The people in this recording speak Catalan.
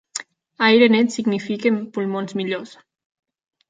Aire net significa pulmons millors.